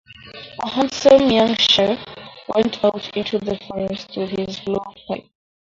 A handsome young chief went out into the forest with his blowpipe.